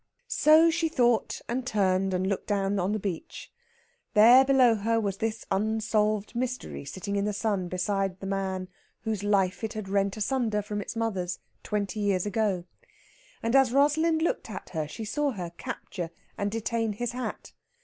So she thought and turned and looked down on the beach. There below her was this unsolved mystery sitting in the sun beside the man whose life it had rent asunder from its mother's twenty years ago. And as Rosalind looked at her she saw her capture and detain his hat.